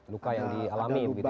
luka yang dialami